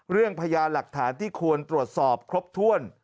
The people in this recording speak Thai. เรื่องพญาหลักฐานที่ควรตรวจสอบครบถ้วน